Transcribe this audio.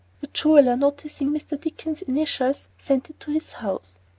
The jeweler, noticing Mr. Dickens's initials, sent it to his house.